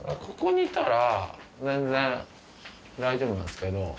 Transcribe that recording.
ここにいたら全然大丈夫なんですけど。